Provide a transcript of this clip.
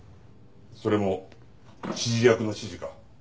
「それも指示役の指示か？」